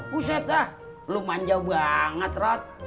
buset ah lu manjau banget rat